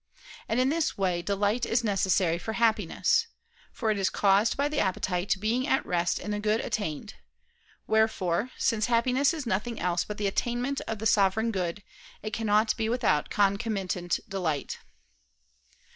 And in this way delight is necessary for happiness. For it is caused by the appetite being at rest in the good attained. Wherefore, since happiness is nothing else but the attainment of the Sovereign Good, it cannot be without concomitant delight.